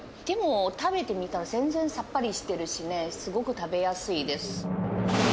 でも食べてみたら全然さっぱりしてるしねすごく食べやすいです。